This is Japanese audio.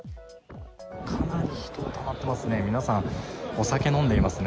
かなり人がたまってますね。